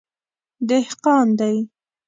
_دهقان دی.